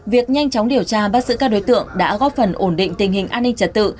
việc nhanh chóng điều tra bắt giữ các đối tượng đã góp phần ổn định tình hình an ninh trật tự